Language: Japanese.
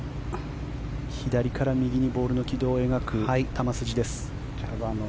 左から右にボールの軌道を描く球筋です。